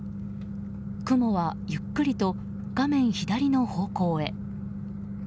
雲はゆっくりと画面左の方向へ。